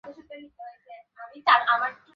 এখানে দাঁড়িয়ে কী হবে?